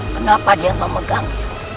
kenapa dia memegang itu